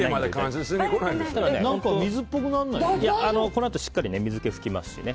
このあとしっかり水気を拭きますしね。